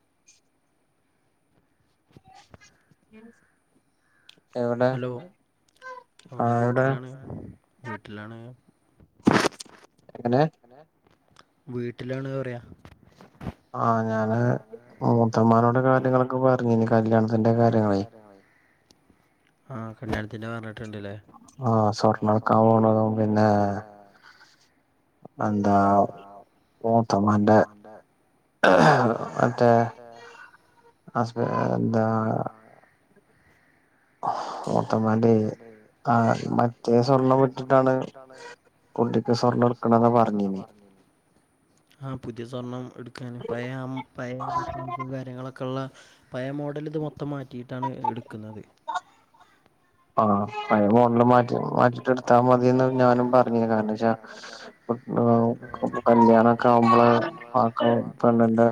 [inaudible] S hello എവിടെ വീട്ടിലാണ് വീട്ടിലാണ് എങ്ങനെ വീട്ടിലാണ് പറയാ ആഹ് ഞാന് മൂത്തമാനോടെ കാര്യങ്ങളൊക്കെ പറഞ്ഞനി കല്യാണത്തിന്റെ കാര്യങ്ങളെ ആഹ് കല്യാണത്തിെന്റെ പറഞ്ഞിട്ടുണ്ട്ല്ലേ ആഹ് സ്വർണട്ക്കാൻ പോണതും പിന്നെ അന്ത മൂത്തമാന്റെ അറ്റെ ആസ്ന്ത മൂത്തമ്മാന്റെ ആഹ് മറ്റേ സ്വർണം പറ്റിട്ടാണ് കുട്ടിക്ക സ്വർണ്ണം എടുക്കണന്നാ പറഞ്ഞിന്യേ ആഹ് പുതിയ സ്വർണം എടുക്കൻ പഴ പഴ ഡിസൈൻസും കാര്യങ്ങളൊക്കെള്ള പഴയ മോഡല ഇത് മൊത്തം മാറ്റിയിട്ടാണ് എടുക്കുന്നത് ആഹ് പയ മോണിൽ മാറ്റി മാറ്റിട്ട എടുത്താ മതിന്ന് ഞാനും പറഞ്ഞ കാരണം വെച്ചാ കല്യാണൊക്കെ ആവുമ്പള് പെണ്ണിന്റെ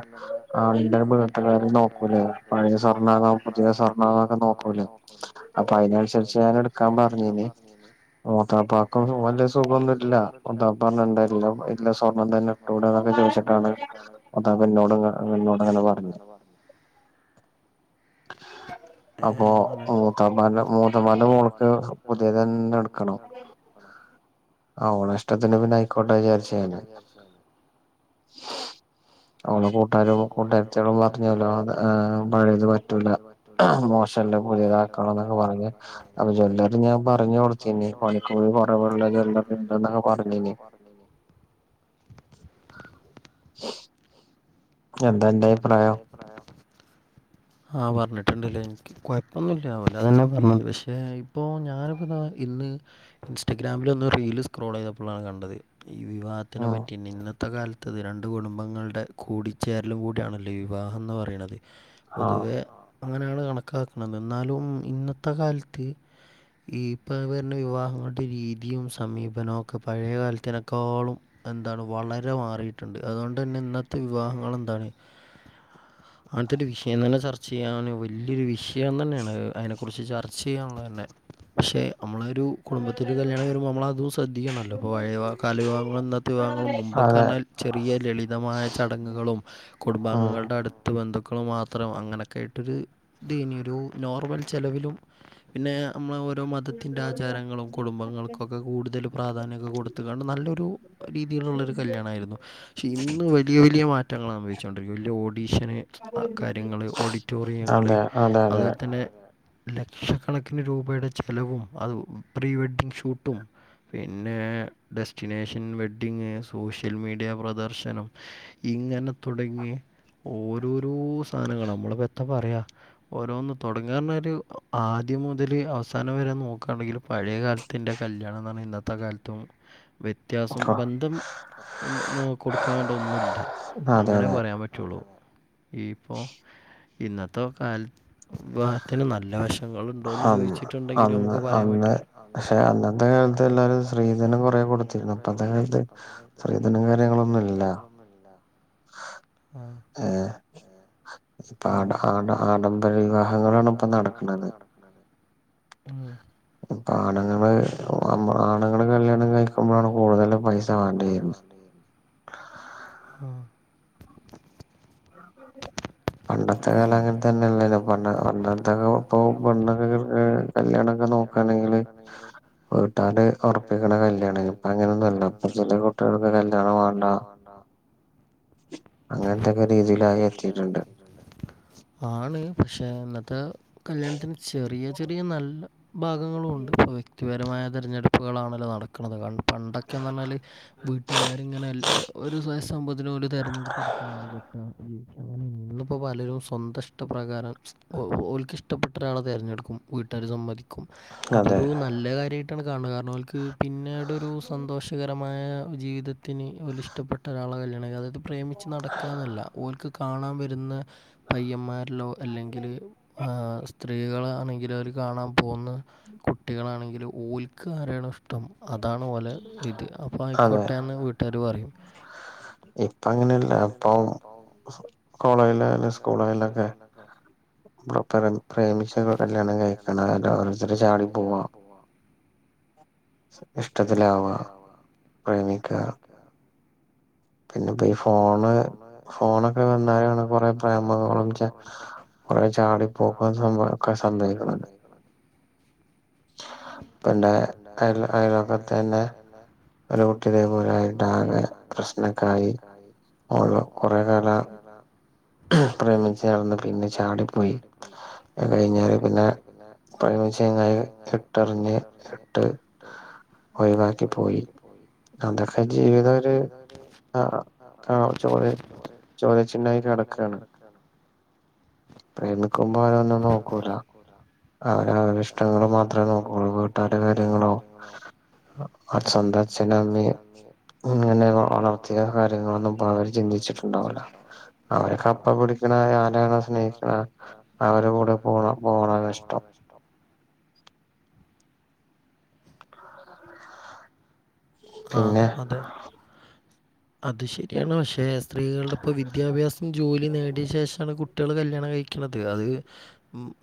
ആണിന്റെ വീത്തുകാരും നോക്കൂലേ പഴയ സ്വർണാണോ പുതിയ സ്വർണാണോന്നൊക്കെ നോക്കൂലേ അപ്പൊ അയ്നനുസരിച്ച് രി ഞാന എടുക്കാ പറഞ്ഞിന്ന് മൂത്താപ്പക്കും വലിയ സുഖമൊന്നുമില്ല മൂത്താപ്പ പറഞ്ഞണ്ട ഇല്ല സ്വർണ്ണം തന്നെ ഇട്ടൂടെ എന്നൊക്കെ ചോദിച്ചിട്ടാണ് അതാ എന്നോട് അങ്ങന എന്നോട്ങ്ങനെ പറഞ്ഞത് അപ്പൊ മൂത്താപ്പന്റെ മൂത്തമ്മന്റെ മൂത്തമ്മാന്റെ മോൾക്ക്‌ പുതിയ തന്നെ എടുക്കണം ആ ഓള ഇഷ്ടത്തിന് പിന്നെ ആയിക്കോട്ടെന്ന് വിചാരിച്ചതാ അവളെ കൂട്ടാരും കൂട്ടാരത്തികളും പറഞ്ഞല്ലോ അത് പഴയത് പറ്റൂല മോശമല്ലേ പുതിയതാക്കണം എന്നൊക്കെ പറഞ്ഞ് അപ്പൊ ജ്വല്ലറി ഞാൻ പറഞ്ഞു കൊടുത്ത പണിക്കൂലി കുറവള്ളത് ഉണ്ടെന്ന് പറഞ്ഞിനി എന്താ എന്റെ അഭിപ്രായം ആഹ പറഞ്ഞിട്ടുണ്ടല്ലേ കുഴപ്പൊന്നുല്ലാവില്ല അതന്നെ പറഞ്ഞത് പക്ഷെ ഇപ്പൊ ഞാനിപ്പോഇതാ ഇന്ന് ഇൻസ്റ്റാഗ്രാമിൽ ഒന്ന് റീല് സ്ക്രോൾ ചെയ്തപ്പോഴാണ് കണ്ടത് ഈ വിവാ ത്തിതിനെ പറ്റി ഇന്നത്തെ കാലത്ത് രണ്ട് കുടുംബങ്ങളുടെ കൂടിച്ചേർ കൂട ആണല്ലോ വിവാഹംന്ന് പറയണുന്നത് പൊതുവെ അങ്ങനെയാണ് കണക്കാക്കണത് എന്നാലും ഇന്നത്തെ കാലത്ത് ഈ ഇപ്പം പറഞ്ഞുന്ന വിവാഹങ്ങളുടെ രീതിയും സമീപനവും ഒക്കെ പഴയ കാലത്തിനെക്കാളും എന്താണ് വളരെ മാറിയിട്ടുണ്ട് അതുകൊണ്ട് തന്നെ ഇന്നത്തെ വിവാഹങ്ങൾ എന്താണ് അങ്ങനത്തെൊ ഒരു വിഷയം തന്നെ അങ്ങനെത്തെയൊരു വിഷയം തന്നെ ചർച്ച ചെയ്യാൻ വലിയൊരു വിഷയം തന്നെയാണ് അതിനെക്കുറിച്ച് ചർച്ച ചെയ്യാനുള്ളത് തന്നെ പക്ഷെ നമ്മളൊരു കുടുംബത്തിൽ കല്യാണം വരുമ്പോൾമ്മള അതും ശ്രദ്ധിക്കണല്ലോ അപ്പോൾ വഴയ കാല വിഭഗങ്ങൾ ഇന്നത്തെ വിഭഗങ്ങൾ മുമ്പൊക്കെ പറഞ്ഞാൽ ചെറിയ ലളിതമായ ചടങ്ങുകളും കുടുംബാംഗങ്ങൾ അടുത്ത് ബന്ധുക്കൾ മാത്രം അങ്ങനെയൊക്കെ ആയിട്ടൊരു ഇത് ദീനിയൊരു ഒരു നോർമൽ ചിലവിലും പിന്നെ നമ്മള ഓരോ മതത്തിൻ്റെ ആചാരങ്ങളും കുടുംബങ്ങൾക്കുംക്കെ കൂടുതൽ പ്രാധാന്യമൊക്കെ കൊടുത്തുകാണ്ട് നല്ലൊരു രീതിയിലുള്ളൊ ഒരു കല്യാണ ആയിരുന്നു പക്ഷെ ഇന്ന് വലിയ വലിയ മാറ്റ രിക്ക വലിയ ഓഡീഷന് കാര്യങ്ങൾ ഓഡിറ്റോറിയ അതുപോലെന്ന തന്നെ ലക്ഷക്കണക്കിന് രൂപയുടെ ചെലവും അത് പ്രീ വെഡ്ഡിങ് ഷൂട്ടും പിന്നെ ഡെസ്റ്റിനേഷൻ വെഡ്ഡിങ് സോഷ്യൽ മീഡിയ പ്രദർശനം ഇങ്ങനെ തുടങ്ങിയ ഓരോരോ സാധനങ്ങളാ നമ്മളിപ്പോ എന്താ പറയാ ഓരോന്ന് തുടങ്ങാനൊരു ആദ്യം മുതല് അവസാനം വരെ നോക്കുകയാണെങ്കിൽ പഴയകാലത്ത് ത്തന്റെ കല്യാണം എന്ന് പറഞ്ഞാൽ ഇന്നത്തെ കാലത്തും വ്യ വ്യത്യാസം ബന്ധം കൊടുക്കാൻ വേണ്ട ഒന്നുല്ല അങ്ങനെ പറയാൻ പറ്റുള്ളു ഇപ്പോൾ ഇന്നത്തെ കൽ വിവാഹത്തിന് നല്ല വഷം ഉണ്ടോന്ന് ചോദിച്ചിട്ടുണ്ടെങ്കിൽ നമുക്ക് പറയാൻ പറ്റും അന്നത്തെ കാലത്ത് എല്ലാരും ഇപ്പഴ്ത്തകാലത്ത് സ്ത്രീധനം കാര്യങ്ങളൊന്നുംല്ലല്ലാ അല്ലാ ഏ..... ആ ആ ആഡംബര വിവാഹങ്ങളാണ് ഇപ്പ നടക്കുന്നത് ഹഹം ആണുങ്ങള് ആണുങ്ങള് കല്യാണം കഴിക്കുമ്പോഴാണ് കൂടുതല് പൈസ ആ [inaudible] പണ്ടത്തെ കാല അങ്ങനെ തന്നല്ലേ പണ്ടത്തൊക്കെ ഇപ്പൊ പെണ്ണൊക്കെ കല്യാണൊക്കെ നോക്കയാണെങ്കില് വീട്ടാര് ഉറപ്പിക്കണ കല്യാണം ഇപ്പ അങ്ങനെയൊന്നുമല്ല ഇപ്പൊ ചില കുട്ടികൾക്ക് കല്യാണം വേണ്ട അങ്ങനത്തൊക്കെ രീതിയിലായി എത്തിയിട്ടുണ്ട് ആണ് പക്ഷെ ഇന്നത്തെ കല്യാണത്തിന് ചെറിയ ചെറിയ നല്ല- ഭാഗങ്ങളുണ്ട് ഇപ്പോൾ വ്യക്തിപരമായ തിരഞ്ഞെടുപ്പുകളാണല്ലോ നടക്കുന്നത് പണ്ടൊക്കെയാന്ന് പറഞ്ഞാല് വീട്ടുകാർ ഇങ്ങനെ ഒരുവ സംഭവത്തിന് തെരഞ്ഞെടുത്ത് എടുക്കാണണ് കിട്ട ഇന്നിപ്പോ പലരും സ്വന്തം ഇഷ്ടപ്രകാരം ഓള്ക്ക് ഇഷ്ടപ്പെട്ട ഒരാളെ തിരഞ്ഞെടുക്കും. വീട്ടുകാർ സമ്മതിക്കും അതൊരു നല്ല കാര്യമായിട്ട് ട്ടാണ് കാണണേ കാരണം ഓൾക്ക് പിന്നീട് ഒരു സന്തോഷകരമായ ജീവിതത്തിന് അവിഷ്- ഇഷ്ടപ്പെട്ട ഒരാളെ കല്യാണ കഴി അതായത് പ്രേമിച്ച് നടക്കുക എന്നല്ല കാണാൻ വരുന്ന പയ്യന്മാരിലോ അല്ലെങ്കില് സ്ത്രീകളാണെങ്കില് അവര് കാണാൻ പോകുന്ന കുട്ടികളാണെങ്കില് ഓൽക്ക് ആരാണ് അതാണ് ഓല് ഇത് അപ്പൊ ആയിക്കോട്ടേന്ന് വീട്ടുകാര് പറയും ഇപ്പ അങ്ങനെയല്ല ഇപ്പ ആ [inaudible] കോളേജിലായാലും സ്കൂളായാലൊക്കെ പ്രേമിച്ച കല്യാണം കഴിക്കണം അ ഓരോത്തര് ചാടി പോവാ ഇഷ്ടത്തിലാവുക പ്രേമിക്കുക പിന്നെ ഇപ്പ ഈ ഫോണ് ഫോണൊക്കെ വന്ന കൊറെ പ്രേമങ്ങളും കുറെ ചാടി പോക്ക ഒക്കെ സംഭവിക്കണ്ട് പിന്നെ അയൽവക്കത്തു തന്നെ ഒരു കുട്ടിനേ പോലായിട്ടാകെ പ്രശ്നക്കായി ഓള് കൊറെേ കാല പ്രേമിച്ചന്ന് പിന്നെ ചാടിപ്പോയി കഴിഞ്ഞാല് പിന്നെ പഴയ ചങ്ങായിയെ ഇട്ടറിഞ്ഞ് ഇട്ട് ഒഴിവാക്കിപ്പോയി അതെല്ലാം ജീവിതം ഒരു ചോല ചുണ്ടായി കടക്കുകയാണ് പ്രേമിക്കുമ്പോ ആതൊന്നും നോക്കൂല അവര് അവരെ ഇഷ്ടങ്ങൾ മാത്രമേ നോക്കുള്ളൂ വീട്ടരു കാര്യങ്ങളോ- അച്ഛൻ അച്ഛന്റെ അമ്മയും ഇങ്ങനെ വളർത്തിയ കാര്യങ്ങളൊന്നും ഇപ്പോ അവര് ചിന്തിച്ചിട്ടുണ്ടാവില്ല അവരെക്കെ അപ്പ പിടിക്കണ ആരെയാണോ സ്നേഹിക്കണ അവര കൂടെ പോണംഷ്ട്ട ഹാ! കഷ്ടം! ആഹ അതെ അത് ശരിയാണ് പക്ഷെ സ്ത്രീകളുടെ ഇപ്പോൾ വിദ്യാഭ്യാസം ജോലി നേടിയ ശേഷമാണ് കുട്ടികൾ കല്യാണം കഴുക ണത് അത്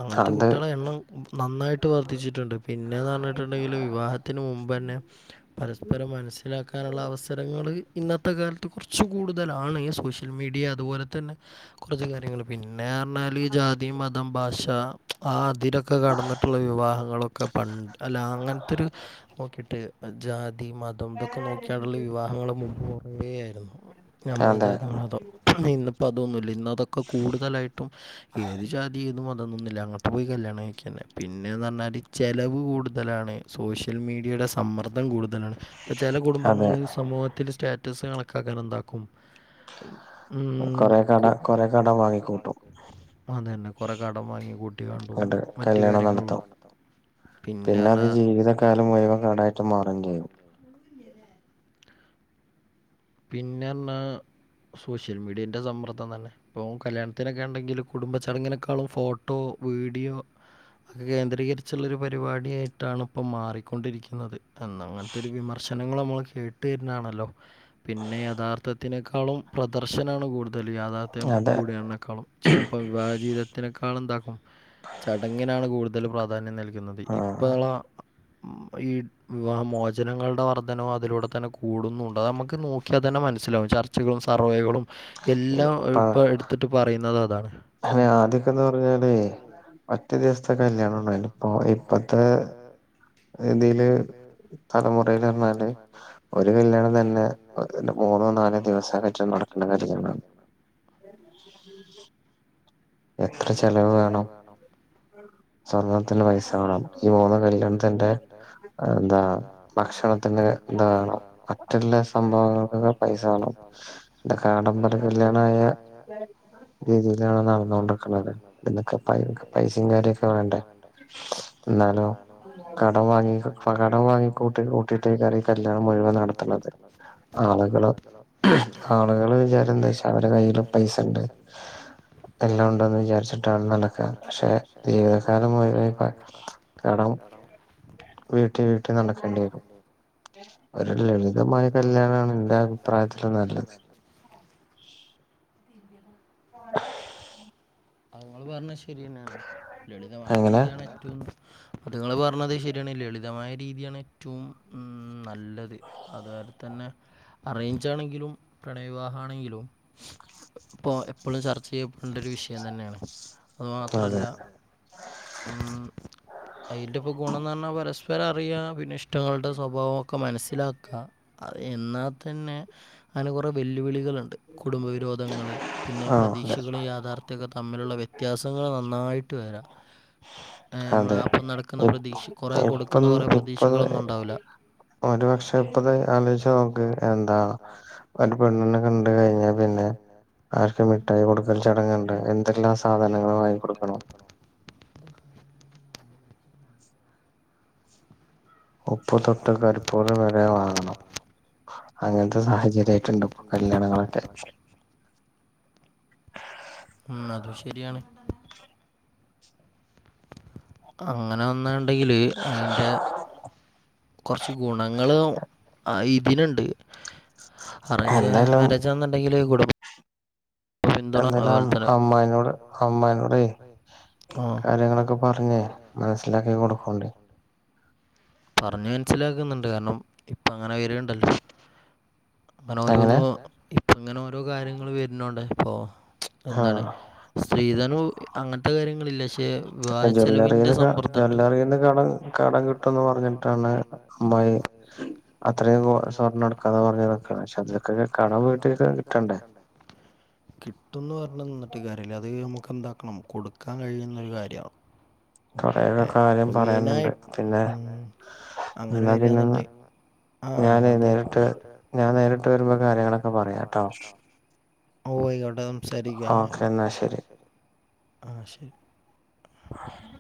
അങ്ങനത്തെ കുട്ടികളെ എണ്ണം നന്നായിട്ട് വർദ്ധിച്ചിട്ടുണ്ട് പിന്നേന്ന് പറഞ്ഞിട്ടുണ്ടെങ്കിൽ വിവാഹത്തിന് മുമ്പ് തന്നെ പരസ ഇരം മനസ്സിലാക്കാനുള്ള അവസരങ്ങൾ ഇന്നത്തെ കാലത്ത് കുറച്ച് കൂടുതലാണ്്യ മീഡിയ അതുപോലെ തന്നെ കുറച്ച് കാര്യങ്ങൾ പിന്നെ പറഞ്ഞാല് ജാതിത മം ഭാഷ ആ അതിലൊക്കെ കടന്നിട്ടുള്ള വിവാഹങ്ങളൊക്കെ പണ്ട് അല്ല അങ്ങനത്തെരു നോക്കിട്ട് ജാ അത മതം ഇതൊക്കെ നോക്കിയാുള്ള വിവാഹങ്ങൾ മുുമപ് കുറവേയായിരുന്നു നഞമ്മള ജാതങ്ങളതോ ഇന്നപ്പോ അതൊന്നുമില്ല ഇന്ന അതൊക്കെ കൂടുതലായിട്ടും ഏത് ജാതിയതും അതൊന്നൊന്നുംുമില്ല അങ്ങോട്ട് പോയി കല്യാണം കഴിക്ക തന്നെ പിന്നെന്ന് പറഞ്ഞാല് ചിലവ് കൂടുതലാണ് സോഷ്യൽ മീഡിയയുടെ സമ്മർദ്ദം കൂടുത [unintelligible] അപ്പ ചെല കുടുംബങ്ങളില് സമൂഹത്തില് സ്റ്റാറ്റസ് കണക്കാക്കാനെന്താക്കും ഊം കൊ, അതെന്നെ കൊറേ കടം വാങ്ങി കൂട്ടിക്കാണ്ടും മറ്റു കാര്യങ്ങളുള്ള പിന്നെ അത് ജീവിതകാലം മുഴുവൻ കടായിട്ട് മാറെണ്ട്യെരും. [inaudible] പിന്നർഞ്ഞാ, സോഷ്യൽ മീഡിയെന്റെ സമ്മർദ്ദം തന്നെ. ഇപ്പോ കല്യാൺത്തിനൊക്കെ ഇണ്ടെങ്കില് കുടുംബ ചടങ്ങിനെക്കാളും ഫോട്ടോ, വീഡിയോ ഒക്കെ കേന്ദ്രീകരിച്ചുള്ളൊരു പരിപാടിയായിട്ടാണ്പ്പം മാറിക്കൊണ്ടിരിക്ക്ന്നത്. അന്നങ്ങൻത്തൊര് വിമർശനങ്ങള് നമ്മള് കേട്ട് വര്നാണല്ലോ പിന്നെ യഥാർത്ഥത്തിനേക്കാളും പ്രദർശനാണ് കൂടുതല്, യാഥാർത്ഥ്യം കൂടിയതിനെക്കാളും. ചെൽപ്പം വിവാഹ ജീവിതത്തിനേക്കാളെന്താക്കും ചടങ്ങിനാണ് കൂടുതല് പ്രാധാന്യം നൽകുന്നത്‌. [unintelligible] ഇപ്പളാ ഈ വിവാഹ മോചനങ്ങളുടെ വർധനവതിലൂടെ ത്തന്നെ കൂടുന്നൂണ്ട്, അതമ്മക്ക് നോക്ക്യാ തന്നെ മനസ്സിലാവും, ചർച്ചകളും സർവേകളും എല്ലാം ഇപ്പ അട്ത്ത് ട്ട് പറയുന്നതതാണ്. ഹേ ആദ്യക്കേന്ന് പറഞ്ഞാലേ ഒറ്റ ദിവസത്തെ കല്യാണണ്ടായ്നു, ഇപ്പൊ ഇപ്പത്തേ രീതീല് തലമുറേലർഞ്ഞാല് ഒരു കല്യാണം തന്നെ അത് തന്നെ മൂന്നോ നാലോ ദിവസക്കായിറ്റ് നടക്ക്ണ കാര്യങ്ങളാണ്. എത്ര ചെലവ് വേണം സ്വർണത്തിന് പൈസ വേണം. ഈ മൂന്ന് കല്യാണത്തിന്റെ എന്താ ഭക്ഷണത്തിന്റെ [unintelligible] മറ്റുള്ളെ സംഭവങ്ങൾക്കൊക്കെ പൈസ വേണം. ആഡംബര കല്യാണായാ [unintelligible] ന്നോണ്ട്ക്ക്ണത്. ഇതിനൊക്കെ പൈ പൈസിം കാര്യൊക്കെ വേണ്ടേ, ഇന്നാലോ കടം വാങ്ങി, കടം വാങ്ങികൂട്ടി കൂട്ടീട്ടെയ്കാരം ഈ കല്യാണം മുഴുവൻ നടത്ത്ണത്. ആളുകള്, ആളുകളെ വിചാരം എന്താച്ചാ അവരെ കയ്യില് പൈസണ്ട് എല്ലാം ഉണ്ടോന്ന് വിചാരിച്ചിട്ടാണ് നടക്ക പക്ഷേ, ജീവിതകാലം മുഴുവൻ ഈ പ കടം വീട്ടി വീട്ടി നടക്കണ്ടി വെരും. ഒരു ലളിതമായ കല്യാണാണ് ഇന്റഭിപ്രായത്തില് നല്ലത്. [inaudible] അത്ങ്ങള് പറഞ്ഞത് ശരിയന്നേണ്. ലളിതമായ രീതിയാണ് ഏറ്റവും അത്ങ്ങള പർഞ്ഞത് ശരിയാണ്. ലളിതമായ രീതിയാണ് ഏറ്റവും ഉം നല്ലത്. അതുപോലെത്തന്നെ, അറേഞ്ചാണെങ്കിലും, പ്രണയ വിവാഹാണെങ്കിലും ഇപ്പോ എപ്പളും ചർച്ച ചെയ്യപ്പെടണ്ടൊരു വിഷയം തന്നേണ്. അത് മാത്രല്ല ഉം. അയ്ന്റെപ്പൊ ഗുണംന്ന് പർഞ്ഞാ പരസ്പരറിയാ പിന്നെ, ഇഷ്ടങ്ങളുടെ സ്വഭാവം ഒക്കെ മനസ്സിലാക്ക. അത് എന്നാ തന്നെ അയ്ന് കൊറേ വെല്ലുവിളികള്ണ്ട്. കുടുംബവിരോധങ്ങള്, പിന്നെ പ്രതീക്ഷകളും യാഥാർത്ഥ്യൊക്കെ തമ്മിലുള്ള വ്യ ത്യാസങ്ങള് നന്നായിട്ട് വരാ അതെ. ഇപ്പ ഇപ്പൊന്ന് ഇപ്പൊന്ന് ഒരുപക്ഷേ ഇപ്പത് ആലോയ്ച്ച് നോക്ക് എന്താ ഒരു പെണ്ണിനെ കണ്ട് കയ്ഞ്ഞാ പിന്നെ അവർക്ക് മിഠായി കൊടുക്കൽ ചടങ്ങ്ണ്ട്, എന്തെല്ലാ സാധനങ്ങള് വാങ്ങി ക്കൊടുക്കണം ഉപ്പു തൊട്ട് കർപ്പൂരം വരേ വാങ്ങണം. അങ്ങനത്തെ സാഹചര്യയായിട്ടുണ്ട് ഇപ്പോ കല്യാണങ്ങളൊക്കെ ഉം അത് ശരിയാണ് അങ്ങനെ വന്നുണ്ടെങ്കിൽ അതിൻ്റെ കുറച്ച് ഗുണങ്ങൾ ഇതിനുണ്ട് അറേഞ്ച് മാരേജാണുണ്ടെങ്കിൽ കൊടുക്ക്- എന്തെല്ലാം അമ്മായിനോട് അമ്മായിനോട് കാര്യങ്ങളൊക്കെ പറഞ്ഞു മനസ്സിലാക്കി കൊടുക്കണ്ട് പറഞ്ഞു മനസ്സിലാക്കുന്നുണ്ട് കാരണം ഇപ്പ അങ്ങനെ വരുന്നുണ്ടല്ലോ ഇങ്ങനെ ഓരോന്ന് ഇപ്പൊ ഇങ്ങനെ ഓരോ കാര്യങ്ങൾ വരുന്നോണ്ട് ഇപ്പൊ എന്താണ് സ്ത്രീധനം അങ്ങനത്തെ കാര്യങ്ങളില്ല പക്ഷെ വിവാഹ ചെലവിന്റെ സമ്മർദ്ദംണ്ട് കട കടം കിട്ടുന്ന് പറഞ്ഞിട്ടാണ് അമ്മായി- അത്രയും സ്വർണ്ണം എടുക്കാന്ന് പറഞ്ഞക്ക പക്ഷെ അതിലൊക്കെ കടം വീട്ടി കിട്ടണ്ടേ [inaudible] കിട്ടുന്ന് പറഞ്ഞ നിന്നിട്ട് കാര്യല്ല അത് നമുക്ക്ന്താക്കണം കൊടുക്കാൻ കഴിയുന്നൊരു കാര്യമാണ് കുറെയ കാര്യം പറയാനുണ്ട് പിന്നെ ഉം അങ്ങനെ വരിയാന്ന്ണ്ടേ ആ അത് നേരിട്ട് ഞാൻ നേരിട്ട് വരുമ്പോൾ കാര്യങ്ങളൊക്കെ പറയാ കേട്ടോ ഓ ആയിക്കോട്ടെ സംസാരിക്ക ആഹ് ശരി ആഹ്